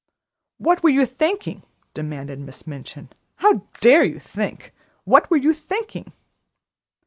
"What were you thinking?" demanded Miss Minchin. "How dare you think? What were you thinking?"